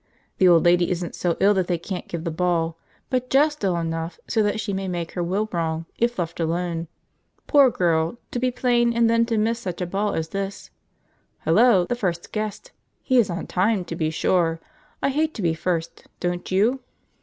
The old lady isn't so ill that they can't give the ball, but just ill enough so that she may make her will wrong if left alone; poor girl, to be plain, and then to miss such a ball as this, hello! the first guest! He is on time to be sure; I hate to be first, don't you?"